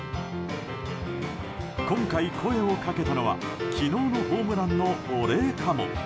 今回、声をかけたのは昨日のホームランのお礼かも。